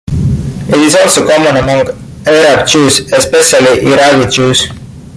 It is also common among Arab Jews, especially Iraqi Jews.